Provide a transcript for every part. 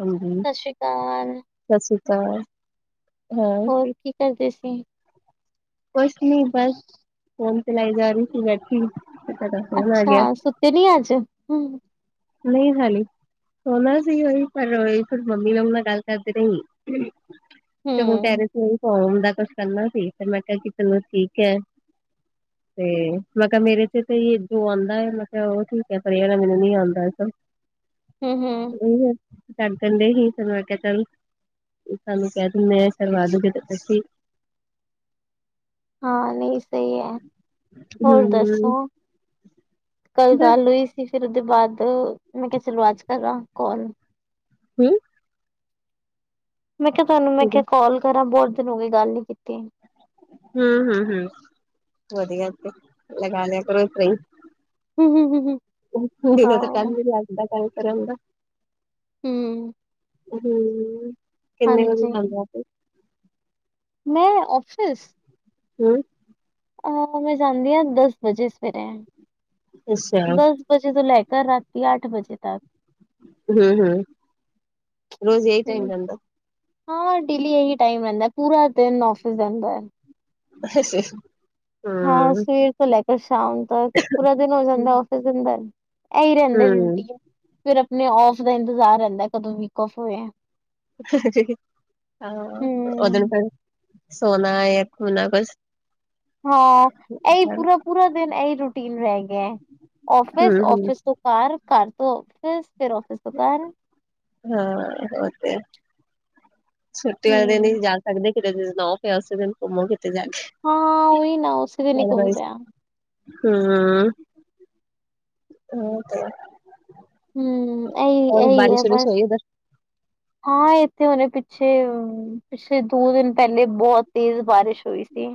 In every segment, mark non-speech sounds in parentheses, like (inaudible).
ਹਾਂਜੀ, ਸਤਿ ਸ੍ਰੀ ਅਕਾਲ, ਸਤਿ ਸ੍ਰੀ ਅਕਾਲ ਹਾਂ। ਹੁਣ ਕੀ ਕਰਦੇ ਸੀ? ਕੁਛ ਨੀ ਬਸ, ਫੋਨ ਚਲਾਈ ਜਾ ਰਹੀ ਸੀ ਬੈਠੀ ਤੇ ਤੁਹਾਡਾ ਫੋਨ ਆ ਅੱਛਾ, ਗਿਆ, ਸੁੱਤੇ ਨੀ ਅੱਜ ਹੂੰ। ਨਹੀਂ ਹਾਲੀ ਸੋਨਾ ਸੀ, ਉਹੀ ਪਰ ਫਿਰ ਮੰਮੀ ਨਾਲ ਮੈਂ ਗੱਲ ਕਰਦੇ ਰਹੀ ਤੇ ਓ ਕਹਿ ਰਹੇ ਸੀ ਫਾਰਮ ਦਾ ਕੁਛ ਕਰਨਾ ਸੀ, ਫ ਮੈਂ ਕਿਹਾ ਕਿ ਚਲੋ ਠੀਕ ਹੈ ਤੇ ਮੈਂ ਕਿਹਾ ਮੇਰੇ ਚ ਤੇ ਜੋ ਆਉਂਦਾ ਹੈ ਮੈਂ ਕਿਹਾ ਉਹ ਠੀਕ ਹੈ ਪਰ ਇਦਾ ਮੈਨੂੰ ਨੀ ਆਉਂਦਾ (unintelligible) ਹਮ ਹਮ ਕਰ ਦਸਣ ਦਏ ਹੀ, ਚਲੋ ਚਲ ਸਾਨੂੰ ਕਹਿ ਦ ਮੈਂ ਕਰਵਾ ਦੂਗੇ ਤੇ ਤੁੱਸੀ ਹਾਂ ਨਹੀਂ ਸਹੀ ਹੈ, ਹੋਰ ਹੂੰ, ਦੱਸੋ ਕੱਲ ਬਸ ਗੱਲ ਹੋਈ ਫੇਰ ਉਹਦੇ ਬਾਅਦ, ਮੈਂ ਕਿਹਾ ਚਲੋ ਅਜ ਕਰਾਂ ਕੌਲ ਹਮ- ਮੈਂ ਕਿਹਾ ਤੁਹਾਨੂੰ ਮੈਂ ਹੈ, ਕਿਹਾ ਕਾਲ ਕਰਾਂ ਬਹੁਤ ਦਿਨ ਹੋ ਗਈ ਗੱਲ ਨੀ ਕੀਤੀ ਹਮ ਹਮ ਹਮ, ਵਧੀਆ ਲਗਾ ਲਿਆ ਕਰੋ ਹਮ ਹਮ ਹਮ ਹਮ ਦਿਨ ਤਾਂ ਕਮ 'ਚ ਲੱਗਦਾ ਕੰਮ ਕਰੀ ਦਾ ਹਮ ਹਮ, ਕਿੰਨੇ ਵਜੇ ਹਾਂਜੀ। ਜਾਂਦਾ ਮੈਂ ਔਫਿਸ ਹੂੰ ਅਹ ਆਪਾ ਨਾ ਜਾਂਦੇ ਆਂ, ਦਸ ਵਜੇ ਸਵੇਰੇ, ਅੱਛਾ ਦਸ ਵਜੇ ਤੋਂ ਲੈਕਰ ਰਾਤੀ ਅੱਠ ਵਜੇ ਤੱਕ। ਹੂੰ, ਹੂੰ ਰੋਜ਼ ਏਈ ਟਾਇਮ ਹੂੰ ਰਹਿੰਦਾ। ਹਾਂ, ਡੇਲੀ ਇਹੀ ਟਾਈਮ ਰਹਿੰਦਾ। ਪੂਰਾ ਦਿਨ ਔਫਿਸ ਰਹਿੰਦਾ ਏ। ਅੱਛਾ-ਅੱਛਾ। ਹਾਂ, ਸਵੇਰ ਤੋਂ ਲੈਕੇਰ ਸ਼ਾਮ ਤਕ। ਪੂਰਾ ਦਿਨ ਹੋ ਜਾਂਦਾ ਔਫਿਸ ਦੇ ਅੰਦਰ। ਐਹੀ ਰਹਿੰਦੇ ਹੂੰ ਰੁਟੀਨ, ਫਿਰ ਆਪਣੇ ਔਫ ਦਾ ਇੰਤਜ਼ਾਰ ਰਹਿੰਦਾ, ਕਦੋਂ ਵੀਕ ਔਫ ਹੋਇਆ। ਹਾਂ, ਓਦਨ ਹੂੰ ਫਿਰ, ਸੋਨਾ ਏ, ਖੋਨਾ ਕੁਛ। ਹਾਂ, ਇਹੀ ਪੂਰਾ-ਪੂਰਾ ਦਿਨ ਇਹੀ ਰੂਟੀਨ ਰਹਿਗਿਆ, ਔਫਿਸ, ਹੂੰ ਹੂੰ ਔਫਿਸ ਤੋ ਘਰ, ਘਰ ਤੋਂ ਔਫਿਸ, ਫਿਰ, ਔਫਿਸ ਤੋਂ ਘਰ। ਹਾਂ ਉਹ ਤੇ, ਛੁੱਟੀ ਵਾਲੇ ਦਿਨ ਹੂੰ। ਹੀ ਜਾ ਸਕਦੇ ਕਿਤੇ ਬਨਾਓ ਆਸੇ, ਫਿਰ ਘੁੰਮੋ ਕਿਤੇ ਜਾਕੇ। ਹਾਂ, ਉਹੀ ਨਾ ਉਸੀ ਵੇਲੇ ਘੁੰਮਦੇ ਆਂ। ਹੂੰ ਹੂੰ ਤੇ ਹੂੰ, ਔਰ ਇਹੀ-ਇਹੀ ਹੈ, ਬਾਰਿਸ਼ ਵਾਰਿਸ਼ ਬਸ। ਹੋਈ ਹਾਂ ਏ ਤੇ ਹੁਣੇ ਪਿੱਛੇ, ਪਿੱਛੇ ਦੋ-ਦਿਨ ਪਹਿਲੇ ਬਹੁਤ ਤੇਜ਼ ਬਾਰਿਸ਼ ਹੋਈ ਸੀ।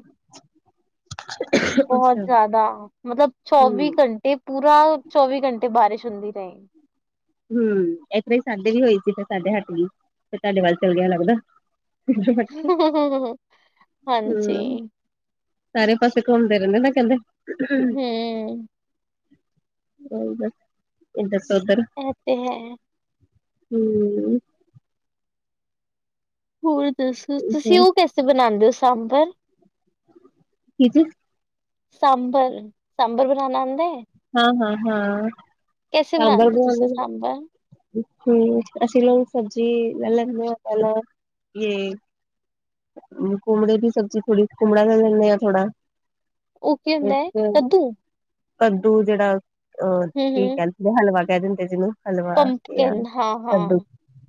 ਬਹੁਤ ਉਧਰ ਜ਼ਿਆਦਾ! ਮਤਲਬ ਹੂੰ ਚੌਵੀ ਘੰਟੇ ਪੂਰਾ, ਚੌਵੀ ਘੰਟੇ ਬਾਰਿਸ਼ ਹੁੰਦੀ ਰਹੀ। ਹੂੰ, ਇਹਦਾਂ ਹੀ ਸਾਡੇ ਵੀ ਹੋਈ ਸੀ, ਫਿਰ ਸਾਡੇ ਹੱਟਗੀ, ਫਿਰ ਤੁਹਾਡੇ ਵੱਲ ਚੱਲ ਗਿਆ ਲੱਗਦਾ। ਹੂੰ ਹਾਂਜੀ ਸਾਰੇ ਪਾਸੇ ਘੁੰਮਦੇ ਰਹਿੰਦੇ ਨਾ ਕਹਿੰਦੇ। ਹੂੰ ਓਈ ਤੇ, ਏ ਦੱਸੋ ਫਿਰ। ਐ ਤੇ, ਹੈ। ਹੂੰ ਹੋਰ ਦੱਸੋ? ਤੁਸੀਂ ਉਹ ਕੀ ਕੈਸ ਤੇ ਬਣਾਂਦੇ ਓ, ਸਾਂਬਰ? ਕੀ ਚੀਜ਼? ਸਾਂਬਰ। ਸਾਂਬਰ ਬਣਾਣਾ ਆਂਦਾ ਏ? ਹਾਂ-ਹਾਂ-ਹਾਂ, ਸਾਂਬਰ ਬਣਾਉਂਦੇ ਹੋ ਤੁਸੀਂ ਸਾਂਬਰ ਹੂੰ, ਅਸੀ ਲੋਕ ਸਬਜ਼ੀ ਲੈਂਲੇਦੇ ਆ, ਪਹਿਲਾ ਯੇ ਕੁੰਮੜੇ ਦੀ ਸਬਜੀ ਥੋੜੀ, ਕੁੰਮੜਾ ਲੈਲੇਂਨੇ ਆ ਥੋੜਾ। ਉਹ ਕੀ ਹੁੰਦਾ ਇੱਕ। ਹੈ ਕੱਦੂ ਕੱਦੂ ਜਿਹੜਾ ਅਹ ਹੂੰ ਕੀ ਹੂੰ ਕਹਿੰਦੇ ਹਲਵਾ ਕਹਿ ਦਿੰਦੇ ਜਿਹਨੂੰ, ਹਲਵਾ, ਘੀਆ, ਪੰਪਕਿਨ ਹਾਂ ਹਾਂ ਕੱਦੂ।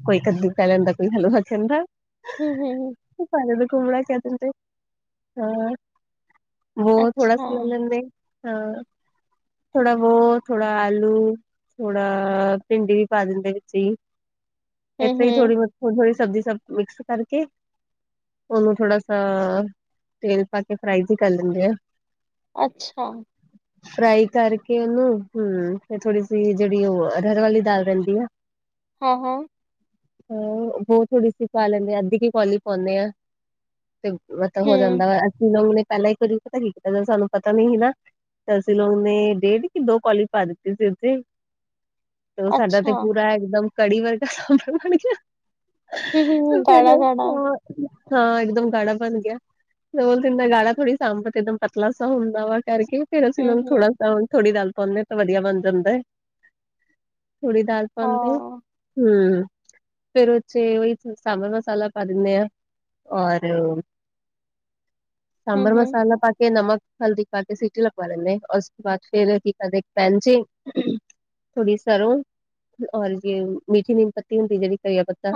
ਕੋਈ ਕੱਦੂ ਕਹਿ ਲੈਂਦਾ, ਕੋਈ ਹਲਵਾ ਕਹਿੰਦਾ। ਹੂੰ, ਹੂੰ, ਹੂੰ ਸਾਡੇ ਤੇ ਕੁੰਮੜਾ ਕਹਿ ਦਿੰਦੇ, ਹਾਂ। ਵੋ ਥੋੜਾ ਸ ਅੱਛਾ ਲੈ ਲੈਂਦੇ, ਹਾਂ। ਥੋੜਾ ਵੋ, ਥੋੜਾ ਆਲੂ ਥੋੜਾ, ਭਿੰਡੀ ਵੀ ਪਾ ਦਿੰਦੇ ਵਿੱਚੇ ਈ। ਹੂੰ ਇੱਥੇ ਹੀ ਹੂੰ ਥੋੜ੍ਹੀ ਬਹੁਤ, ਥੋੜੀ-ਥੋੜੀ ਸਬਜ਼ੀ ਸਬ ਮਿਕਸ ਕਰਕੇ ਉਹਨੂੰ ਥੋੜਾ ਸਾ, ਤੇਲ ਪਾਕੇ ਫ੍ਰਾਈ ਵੀ ਕਰ ਲੈਂਦੇ ਆ। ਅੱਛਾ। (inaudible) ਫ੍ਰਾਈ ਕਰਕੇ ਉਹਨੂੰ, ਹੂੰ, ਫਿਰ ਥੋੜੀ ਸੀ ਜਿਹੜੀ, ਉਹ ਅਰਹਰ ਵਾਲੀ ਦਾਲ ਰਹਿੰਦੀ ਆ (inaudible) ਆਹੋ। ਹਾਂ, ਵੋ ਥੋੜੀ ਸੀ ਪਾ ਲੈਂਨੇ ਆ, ਅੱਧੀ ਕੀ ਕੋਲੀ ਪਾਂਉਨੇ ਆ, ਤੇ ਮਤਲਬ ਹੋ ਹੂੰ ਜਾਂਦਾ ਵਾ। ਅਸੀਂ ਲੋਕ ਨੇ ਪਹਿਲਾਂ ਇੱਕ ਵਾਰੀ ਪਤਾ ਕੀ ਕੀਤਾ, ਜਦ ਸਾਨੂੰ, ਪਤਾ ਨੀ ਸੀ ਨਾ ਤੇ ਅਸੀਂ ਲੋਗ ਨੇ, ਡੇਢ ਕਿੱਲੋ, ਕੌਲੀ ਪਾ ਦਿੱਤੇ ਸੀ, ਉੱਥੇ। ਤੇ ਉਹ ਸਾਡਾ ਤੇ ਅੱਛਾ ਪੂਰਾ ਇੱਕਦਮ ਕੜੀ ਵਰਗਾ ਸਾਂਬਰ ਬਣ ਗਿਆ, ਹੂੰ ਹੂੰ ਫਿਰ ਗਾੜਾ ਗਾੜਾ ਹਾਂ ਹਾਂ, ਇੱਕਦਮ ਗਾੜਾ ਬਣ ਗਿਆ। ਬੋਲ ਇਨਾ ਜਾਦਾ ਗਾੜਾ ਥੋੜੀ, ਸਾਂਬਰ ਏਕਦਮ ਪਤਲਾ ਸਾ ਹੁੰਦਾ ਵਾ ਕਰਕੇ ਫੇਰ ਅਸੀਂ ਹੂੰ ਲੋਗ ਹੂੰ ਥੋੜਾ ਥੋੜ੍ਹੀ ਦਾਲ ਪਾਉਂਦੇ ਆਂ, ਤਾਂ ਵਧੀਆ ਬਣ ਜਾਂਦਾ। ਥੋੜੀ ਦਾਲ ਪਾਂਦੇ ਆਂ, ਹਾਂ ਹੂੰ ਫੇਰ ਉਹ ਚ ਉਹੀ ਸਾਂਬਰ ਮਸਾਲਾ ਪਾ ਦਿੰਨੇ ਆਂ ਔਰ ਸਾਬਂਰ ਮਸਾਲਾ ਪਾ ਕੇ, ਨਮਕ, ਹਲਦੀ ਪਾਕੇ ਸੀਟੀ ਲਗਵਾ ਲੈਂਨੇ ਆਂ, ਉਸ ਤੋਂ ਬਾਅਦ ਫੇਰ ਕੀ ਕਰਦੇ ਪੈਨ ਚੀ ਥੋੜ੍ਹੀ ਸਰੋਂ, ਔਰ ਜੇ ਮੀਠੀ ਨੀਮ ਪੱਤੀ ਹੁੰਦੀ ਐ ਜਿਹੜੀ। ਕਹੀਯਾ ਪੱਤਾ,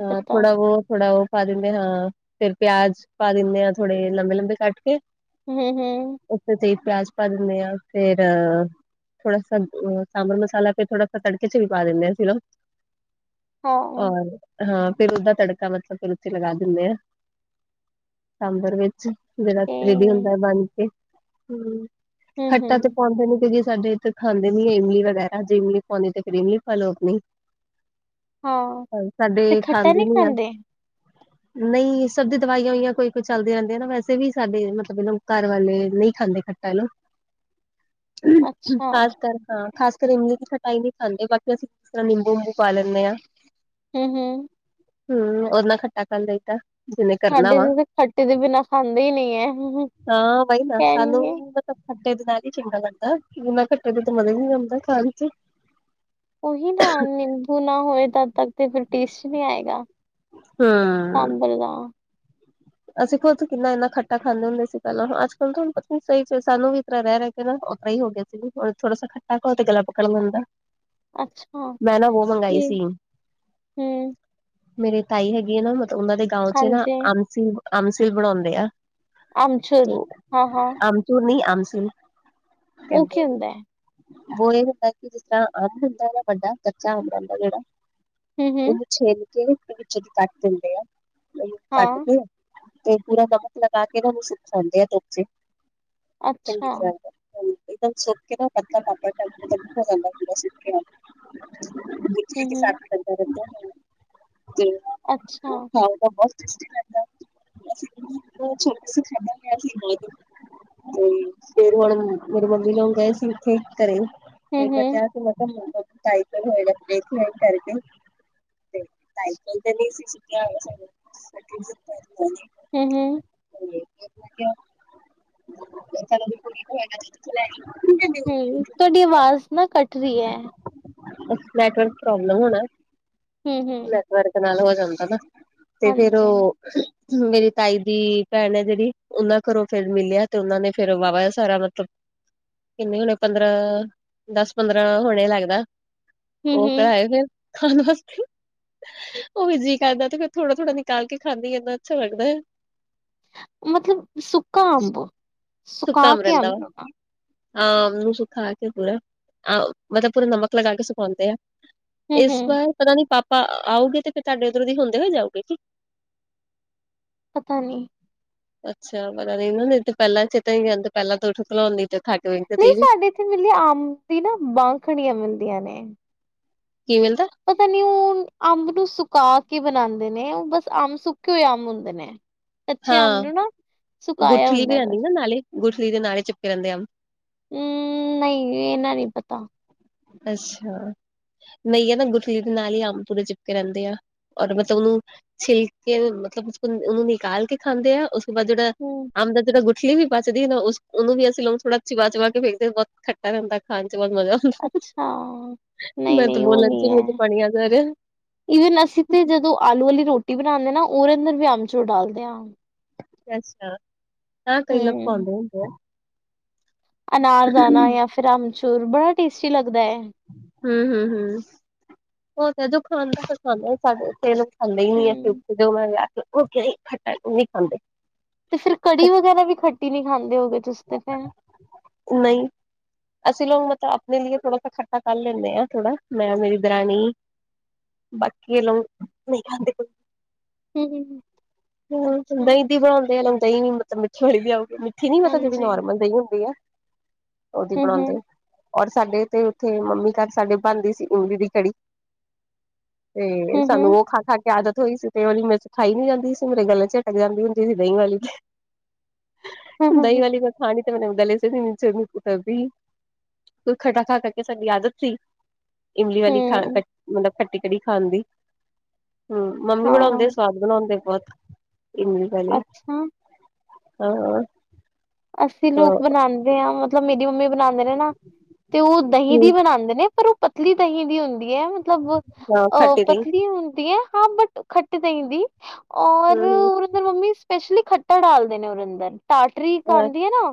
ਹਾਂ। ਉਹ ਥੋੜਾ ਉਹ ਪਾ ਦਿੰਦੇ ਆ ਹਾਂ, ਫੇਰ ਪਿਆਜ ਪਾ ਦਿੰਦੇ ਆਂ ਥੋੜੇ ਲੰਬੇ-ਲੰਬੇ ਕੱਟ ਕੇ। ਹੂੰ-ਹੂੰ ਉੱਤੇ ਤੇ ਪਿਆਜ ਪਾ ਦਿੰਦੇ ਹਾਂ ਫੇਰ ਥੋੜਾ ਅ ਸਾਂਬਰ ਮਸਾਲਾ, ਫੇਰ ਥੋੜਾ ਤੜਕੇ ਚ ਵੀ ਪਾ ਦਿੰਨੇ ਆਂ ਅਸੀਂ ਨਾ। ਔਰ ਹਾਂ ਫਿਰ ਉਸਦਾ ਤੜਕਾ ਮਤਲਬ ਫਿਰ ਉਥੇ ਲਗਾ ਦਿੰਦੇ ਆਂ ਸਾਂਬਰ ਵਿੱਚ। ਜੇੜਾ ਗਰੇਵੀ ਹੁੰਦਾ ਬਣ ਕੇ, ਹੂੰ ਖੱਟਾ ਤੇ ਪਾਉਂਦੇ ਨੀ ਕਿਉਂਕਿ ਸਾਡੇ ਇੱਥੇ ਖਾਂਦੇ ਨੀ ਏ ਇਮਲੀ ਵਗੈਰਾ, ਜੇ ਇਮਲੀ ਪਾਉਂਣੀ ਐ ਤੇ ਫੇਰ ਇਮਲੀ ਪਾ ਲੋ ਆਪਣੀ। ਹਾਂ, ਤੇ ਸਾਡੇ ਖੱਟਾ ਖਾਂਦੇ ਨਹੀਂ ਨੀ ਐ। ਨਹੀਂ ਸਭ ਦੀ ਦਵਾਈਆਂ ਹੋਈਆਂ ਕੋਈ-ਕੋਈ ਚੱਲਦੀਆਂ ਰਹਿੰਦੀਆਂ ਨਾ, ਵੈਸੇ ਵੀ ਸਾਡੇ ਮਤਲਬ ਇਹ ਘਰ ਵਾਲੇ ਨਹੀਂ ਖਾਂਦੇ। ਹੈਲੋ, ਅੱਛਾ ਖਾਸ ਕਰ ਹਾਂ ਖਾਸ ਕਰਮੀ ਦੀ ਖਟਾਈ ਨਹੀਂ ਖਾਂਦੇ, ਬਾਕੀ ਅਸੀਂ ਕਿਸ ਤਰ੍ਹਾਂ ਨਿੰਬੂ ਨੁੰਬੂ ਪਾ ਲੈਂਨੇ ਆਂ। ਹੂੰ-ਹੂੰ। ਹੂੰ, ਉਹਦੇ ਨਾਲ ਖੱਟਾ ਕਲ ਦੇਈਤਾ। ਜਿਹਨੇ ਕਰਨਾ ਸਾਡੇ ਵਾ, ਤੇ ਤਾਂ ਖੱਟੇ ਦੇ ਬਿਨਾ ਖਾਂਦੇ ਹੀ ਨਹੀਂ ਹੈ ਨਾ ਬਾਈ ਨਾ ਸਾਨੂੰ ਕਹਿਣਗੇ ਖੱਟੇ ਦੇ ਤਹਿਤ ਹੀ ਚੰਗਾ ਲੱਗਦਾ, ਬਿਨਾਂ ਖੱਟੇ ਤੋਂ ਤਾਂ ਮਜ਼ਾ ਨੀ ਆਂਦਾ ਖਾਣ ਚ। ਉਹੀ ਨਾ ਨਿੰਬੂ ਨਾ ਹੋਏ, ਤਦ ਤੱਕ ਤੇ ਟੇਸਟ ਚ ਨਹੀਂ ਆਏਗਾ। ਹਮ ਸਾਂਬਰ ਦਾ। ਅਸੀਂ ਖੁਦ ਕਿੰਨਾ ਇੰਨਾ ਖੱਟਾ ਖਾਂਦੇ ਹੁੰਦੇ ਸੀ ਪਹਿਲਾਂ, ਅੱਜ-ਕੱਲ ਤੁਹਾਨੂੰ ਪਤਾ ਸਹੀ ਸੀ, ਸਾਨੂੰ ਵੀ ਇਦਾਂ ਰਹਿ-ਰਹਿ ਓਦਾਂ ਹੀ ਹੋ ਗਿਆ ਜੀ, ਥੋੜਾ ਖੱਟਾ ਖਾਓ ਤੇ ਗਲਾ ਪੱਕਣ ਜਾਂਦਾ। ਅੱਛਾ ਮੈਂ ਨਾ ਵੋ ਮੰਗਾਈ ਇਹ ਸੀ। ਮੇਰੇ ਤਾਈ ਹੈਗੀ ਆ ਨਾ, ਮਤਲਬ ਉਹਨਾਂ ਦੇ ਗਾਉਂ ਚ ਨਾ ਹਾਂਜੀ ਆਮਸਿਲ-ਆਮਸਿਲ ਬਣਾਉਂਦੇ ਐ। ਆਮਚੂਰ ਹਾਂ ਹਾਂ ਆਮਚੂਰ ਨੀ, ਆਮਸਿਲ ਉਹ ਕੀ ਕਹਿੰਦੇ ਨੇ। ਹੁੰਦਾ ਹੈ ਉਹੋ ਇਹ ਹੁੰਦਾ ਕਿ ਜਿਸ ਤਰ੍ਹਾਂ ਅੰਬ ਹੁੰਦਾ, ਵੱਡਾ ਕੱਚਾ ਅੰਬ ਹੁੰਦਾ ਜਿਹੜਾ ਉਹਨੂੰ ਛੇਦ ਕੇ ਕੱਟ ਦਿੰਦੇ ਆ, ਉਹਨੂੰ ਕੱਟ ਹਾਂ ਕੇ ਤੇ ਪੂਰਾ ਨਮਕ ਲਗਾ ਕੇ, ਉਹਨੂੰ ਸੁੱਖ ਸੁਖਾਂਦੇ ਆ ਧੁੱਪ ਚ ਚੰਗੀ ਅੱਛਾ ਤਰਾਂ (inaudible) ਸੁਕ ਕੇ ਨਾ ਪੱਤਾ ਪਾਪੜ ਲਗ ਜਾਂਦਾ, ਪੂਰਾ ਸੁੱਕਿਆ। ਅੱਛਾ (inaudible) (unintelligible) ਤੇ ਫੇਰ ਹੁਣ ਮੇਰੀ ਮੰਮੀ ਲੋਕ ਗਏ ਸੀ, ਓਥੇ ਘਰੇ। ਫੇਰ ਮੈਂ ਕਿਹਾ ਸੀ (inaudible) ਤੇ ਟਾਈਟਲ ਤੇ ਨਈ ਸੀ ਸੁਣਿਆ (inaudible) ਹੂੰ-ਹੂੰ। (inaudible) ਹੂੰ, ਤੁਹਾਡੀ ਆਵਾਜ਼ ਨਾ ਕੱਟ ਰਹੀ ਐ। ਨੈਟਵਰਕ ਪ੍ਰੋਬਲਮ ਹੋਣਾ, ਹੂੰ-ਹੂੰ, ਨੈਟਵਰਕ ਨਾਲ ਹੋ ਜਾਂਦਾ ਨਾ। ਤੇ ਫੇਰ ਹਾਂਜੀ। ਓਹ ਮੇਰੀ ਤਾਈ ਦੀ ਭੈਣ ਐ ਜਿਹੜੀ ਉਹਨਾਂ ਘਰੋਂ ਫੇਰ ਮਿਲਿਆ, ਤੇ ਉਹਨਾਂ ਨੇ ਫੇਰ ਵਾਹਵਾ ਸਾਰਾ ਮਤਲਬ ਕਿੰਨੇ ਹੋਣੇ ਪੰਦਰਾਂ, ਦਸ-ਪੰਦਰਾਂ ਹੋਣੇ ਲੱਗਦਾ। ਉਹ ਹੂੰ-ਹੂੰ, ਕਰਾਏ ਫਿਰ ਖਾਣ ਵਾਸਤੇ, ਉਹ ਵੀ ਜੀ ਕਰਦਾ ਤੇ ਫੇਰ ਥੋੜਾ- ਥੋੜ੍ਹਾ ਨਿਕਾਲ ਕੇ ਖਾਂਦੀ ਇੰਨਾ ਅੱਛਾ ਲੱਗਦਾ ਹੈ ਮਤਲਬ, ਸੁੱਕਾ ਆਉਂਦਾ ਸੁਕਾ ਅੰਬ ਰਹਿੰਦਾ ਹਾਂ, ਸੁਖਾ ਕੇ ਪੂਰਾ, ਮਤਲਬ ਪੂਰਾ ਨਮਕ ਲਗਾ ਕੇ ਸੁਕਾਂਉਂਦੇ ਆ ਇਸ ਹੂੰ-ਹੂੰ, ਵਾਰ ਪਤਾ ਨੀ ਪਾਪਾ ਆਉਗੇ ਤੇ ਫਿਰ ਤੁਹਾਡੇ ਉੱਧਰੋਂ ਦੀ ਹੁੰਦੇ ਹੋਏ ਜਾਊਗੇ ਪਤਾ ਨਹੀ ਅੱਛਾ, ਪਤਾ ਨਹੀਂ ਇਹਨਾਂ ਨੇ ਤੇ ਪਹਿਲਾਂ ਚੇਤਾ ਜਾਂ ਪਹਿਲਾਂ ਤੋਂ ਉੱਠ ਲਾਉਂਦੀ ਖਾਟੋ ਤਾਂਈ ਹੋ (unintelligible) ਕਈ ਵਾਰੀ ਅੰਬ ਦੀ ਨਾ ਬਾਂਖਣੀਆਂ ਮਿਲਦੀਆਂ ਨੇ ਕੀ ਮਿਲਦਾ ਪਤਾ ਨੀ, ਉਹ ਅੰਬ ਨੂੰ ਸੁਕਾ ਕੇ ਬਣਾਉਂਦੇ ਨੇ ਉਹ ਬਸ ਅੰਬ ਸੁੱਕੇ ਹੋਏ ਅੰਬ ਹੁੰਦੇ ਨੇ (inaudible) ਅੰਬ ਹਾਂ, ਨੂੰ ਨਾ ਸੁਕਾਇਆ ਗੁਠਲੀ ਵੀ ਹੁੰਦਾ ਹੈਨੀ ਬਸ ਨਾ ਨਾਲੇ ਗੁਠਲੀ ਦੇ ਨਾਲੇ ਚਿਪਕ ਜਾਂਦੇ ਆ ਹਮ, ਨਹੀਂ ਇਹਨਾ ਨਹੀਂ ਪਤਾ ਅੱਛਾ, ਨਹੀਂ ਆ ਨਾ ਗੁੁਠਲੀ ਦੇ ਨਾਲ ਹੀ ਅੰਬ ਪੂਰੇ ਚਿਪਕੇ ਰਹਿੰਦੇ ਆ ਔਰ ਮਤਲਬ, ਉਹਨੂੰ ਛਿਲ ਕੇ ਮਤਲਬ ਉਹਨੂੰ ਨਿਕਾਲ ਕੇ ਖਾਂਦੇ ਆ, ਉਸ ਜਿੜਾ ਹੂੰ, ਅਮਦਾ ਜਿਹੜਾ ਗ (unintelligible) ਪਲੀ ਵੀ ਬਚਦੀ ਨਾ ਉਸਨੂੰ ਵੀ ਅਸੀਂ ਲੋਕ ਥੋੜਾ ਚਬਾ ਚੁਵਾ ਕੇੇ ਵੇਖਦੇ, ਬਹੁਤ ਖੱਟਾ ਰਹਿੰਦਾ ਖਾਣ 'ਚ ਬਹੁਤ ਮਜ਼ਾ ਆਉਂਦਾ ਹਾਂ ਮੈਂ ਤੇ ਬੋਲਣ 'ਚ ਮੂੰਹ ਚ ਪਾਣੀ ਜਾ ਆ ਗਿਆ ਈਵਨ ਅਸੀਂ ਤੇ ਜਦੋਂ ਆਲੂ ਵਾਲੀ ਰੋਟੀ ਬਣਾਉਂਦੇ ਨਾ ਉਹਦੇ ਅੰਦਰ ਵੀ ਅਮਚੂਰ ਡਾਲਦੇ ਹਾਂ ਨਾ ਕਈ ਲੋਕ ਹੂੰ ਪਾਂਉਦੇ ਹੁੰਦੇ ਆ ਅਨਾਰ ਦਾਣਾ ਜਾਂ ਫਿਰ ਅਮਚੂਰ, ਬੜਾ ਟੇਸਟੀ ਲੱਗਦਾ ਹੈ ਹਮ ਹਮ ਹਮ ਉਹ ਤਾਂ ਜੋ ਖਾ ਦਾ ਤਾਂ ਖਾਦਾ ਸਾਡੇ ਖਾਂਦਾ ਹੀ ਨਹੀਂ ਹੈ ਹੂੰ। ਕਿਉਕਿ ਉਹ ਵਿਆਹ ਕੇ ਉਹ ਖੱਟਣ ਨਹੀਂ ਖਾਂਦੇ ਤੇ ਫਿਰ ਕੜੀ ਵਗ਼ੈਰਾ ਵੀ ਖੱਟੀ ਨਹੀਂ ਖਾਂਦੇ ਹੋ ਗਏ ਤੁਸੀਂ ਤੇ ਫਿਰ ਉਹ ਨਹੀਂ ਅਸੀਂ ਲੋਕ ਮਤਲਬ ਆਪਣੇ ਲਈ ਥੋੜਾ ਸ ਖਟਾ ਕਰ ਲੈਂਦੇ ਹਾਂ, ਥੋੜਾ, ਮੈਂ ਮੇਰੀ ਦਰਾਣੀ ਬਾਕੀ ਇਹ ਲੋਕ ਨਹੀਂ ਖਾਂਦੇ ਹਮ-ਹਮ ਹਮ, ਦਹੀਂ ਦੀ ਬਣਾਉਦੇ ਆ ਲ ਦਹੀਂ ਨ ਮਤਲਬ ਮਿੱਠੀ ਹੋ ਜਾਉਗੀ ਨਹੀਂ ਮਲਬ ਜਿਹੜੀ ਹਾਂਜੀ ਨੋਰਮਲ ਦਹੀਂ ਹੁੰਦੀ ਹੈ ਉਹਦੀ ਬਣਾਉਂਦੇ ਔਰ ਸਾਡੇ ਤੇ ਉੱਥੇ ਮੰਮੀ ਘਰ ਸਾਡੇ ਬਣਦੀ ਸੀ ਇਮਲੀ ਦੀ ਕੜੀ ਤੇ, ਸਾਨੂੰ ਉਹ ਹੂੰ-ਹੂੰ-ਹੂੰ-ਹੂੰ-ਹੂੰ-ਹੂੰ ਖਾ -ਖਾ ਕੇ ਆਦਤ ਹੋਈ ਸੀ, ਤੇ ਉਹਲੀ ਮੈਂ ਖਾਈ ਨੀ ਜਾਂਦੀ ਸੀ ਉਹਦੇ ਗੱਲੇ 'ਚ ਅਟਕ ਜਾਂਦੀ ਹੁੰਦੀ ਸੀ ਦਹੀਂ ਵਾਲੀ ਤੇ, ਦਹੀਂ ਵਾਲੀ ਖਾਣੀ ਤੇ ਗਲੇ 'ਚ ਨੀਚੇ ਨਹੀ ਉਤਰਦੀ ਕੋਈ ਖਟਾ ਖਾ ਕਰਕੇ ਸਾਨੂੰ ਆਦਤ ਸੀ ਇਮਲੀ ਵਾਲੀ ਖਾ ਹੂੰ ਕੱ ਮਤਲਬ ਖਟੀ ਕੜੀ ਖਾਣ ਦੀ ਹਮ, ਮੰਮੀ ਬਣਾਉਂਦੇ ਹਾਂ ਸਵਾਦ ਬਣਾਉਂਦੇ ਬਹੁਤ ਇਮਲੀ ਵਾਲੀ, ਅੱਛਾ ਹਾਂ ਅਸੀਂ ਲੋਕ ਬਣਾਉਂਦੇ ਹਾਂ ਮਤਲਬ ਮੇਰੀ ਮੰਮੀ ਬਣਾਉਂਦੇ ਨੇ ਨਾ, ਤੇ ਉਹ ਦਹੀਂ ਦੀ ਬਣਾਉਂਦੇ ਨੇ ਪਰ ਉਹ ਪਤਲੀ ਦਹੀਂ ਦੀ ਹੁੰਦੀ ਹੈ, ਮਤਲਬ ਹਾਂ ਅਹ ਖੱਟੀ ਦਹੀਂ ਪਤਲੀ ਹੁੰਦੀ ਹੈ ਹਾਂ ਬਟ ਖੱਟੇ ਦਹੀਂ ਦੀ, ਹੂੰ ਔਰ ਮੰਮੀ ਸਪੈਸ਼ਲੀ ਖੱਟਾ ਡਾਲਦੇ ਨੇ ਉਹਦੇ ਅੰਦਰ, ਟਾਟਰੀ ਇੱਕ ਹੂੰ ਆਉਂਦੀ ਹੈ ਨਾ,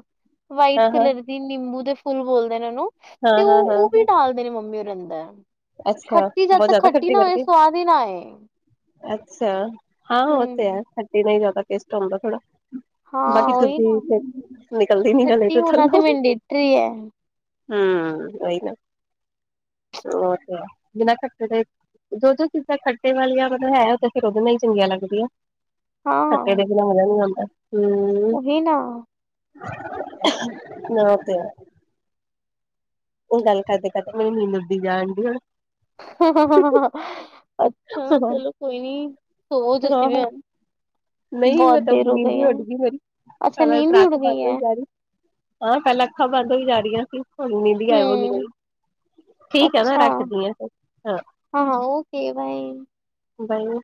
ਵਾਈਟ ਹਾਂ ਹਾਂ ਕਲਰ ਨਿੰਬੂ ਦੇ ਫੁੱਲ ਬੋਲਦੇ ਨੇ ਉਹਨੂੰ, ਹਾਂ ਤੇ ਹਾਂ ਉਹ, ਹਾਂ ਉਹ ਵੀ ਹਾਂ ਡਾਲਦੇ ਨੇ ਮੰਮੀ ਉਹਦੇ ਅੰਦਰ ਅੱਛਾ ਖੱਟੀ ਜਦ ਬਹੁਤ ਤੱਕ ਜ਼ਿਆਦਾ ਖੱਟੀ ਨਾ ਹੋਏ, ਕਰਕੇ ਸਵਾਦ ਹੀ ਨਾ ਆਏ ਅੱਛਾ, ਹਾਂ ਉਹ ਤੇ ਹੈ, ਹਮ ਖੱਟੇ ਦਾ ਜਿਆਦਾ ਟੈਸਟ ਆਉਂਦਾ ਥੋੜ੍ਹਾ ਹਾਂ ਬਾਕੀ ਉਹੀ ਨਾ ਦੂਜੀ ਨਿਕਲਦੀ ਨੀ ਗਲੇ ਖੱਟੀ ਤੋਂ ਹੋਣਾ ਤੇ ਥੱਲੋ ਮੈਂਡੇਟਰੀ ਹੈ ਹਮ, ਉਹੀ ਨਾ ਹੋਰ ਸੁਣਾਓ ਜੋ-ਜੋੋ ਚੀਜ਼ਾਂ ਖੱਟੇ ਵਾਲੀਆਂ ਮਤਲਬ ਹੈ, ਤਾਂ ਫਿਰ ਉਹਦੇ ਨਾਲ ਹੀ ਚੰਗੀਆਂ ਲੱਗਦੀਆਂ। ਖੱਟੇ ਦੇ ਹਾਂ ਬਿਨਾਂ ਮਜਾ ਨੀ ਆਉਂਦਾ, ਹੂ- ਉਹੀ ਨਾ ਨਾ ਤੇ ਉਹ ਗੱਲ ਕਰਦੇ-ਕਰਦੇ ਮੇਰੀ ਨੀਂਦ ਉੱਡੀ ਜਾਣਡੀ ਹੁਣ (unintelligible) ਅੱਛਾ ਹੁਣ ਚਲੋ ਕੋਈ ਨੀ, ਸੋਵੋ ਤੁਸੀਂ ਵੀ ਸੁਣਾਓ ਹੁਣ। ਨਹੀਂ ਬਹੁਤ ਮੈਂ ਤਾਂ ਦੇਰ ਹੋ ਨੀਂਦ ਗਈ ਈ ਹੈ ਉੱਡੀਗੀ ਮੇਰੀ, ਅੱਛਾ ਪਹਿਲਾ ਦੀ ਨੀਂਦ ਹੀ ਤਰ੍ਹਾਂ ਅੱਖ ਉੜ ਗਈ ਬੰਦ ਹੋਈ ਹੈ ਜਾ ਰਹੀ। ਹਾਂ, ਪੈਲਾਂ ਅੱਖਾਂ ਬੰਦ ਹੋਈ ਜਾ ਰਹੀਆਂ ਸੀ। ਹੁਣ ਨੀਦੀ ਵੀ ਗਾਇਬ ਹੋਗੀ ਮੇਰੀ, ਹੂੰ ਠੀਕ ਆ ਮੈਂ ਰੱਖਦੀ ਆ ਫਿਰ। ਹਾਂ-ਹਾਂ, ਓਕੇ ਬਾਏ। (unintelligible)